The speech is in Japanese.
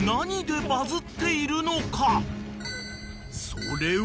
［それは？］